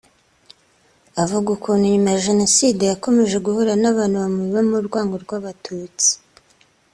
Avuga ukuntu nyuma ya Jenoside yakomeje guhura n’abantu bamubibamo urwango rw’Abatutsi